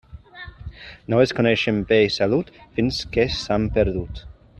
No es coneixen bé i salut fins que s'han perdut.